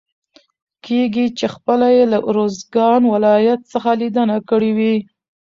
کېږي چې خپله يې له روزګان ولايت څخه ليدنه کړي وي.